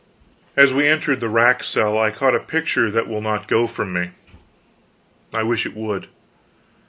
As we entered the rack cell I caught a picture that will not go from me; I wish it would.